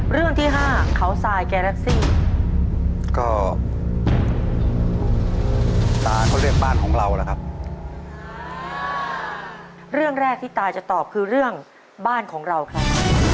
เรื่องแรกที่ตาจะตอบคือเรื่องบ้านของเราครับ